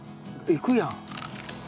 いくやん。